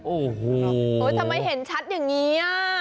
โอ้โหทำไมเห็นชัดอย่างนี้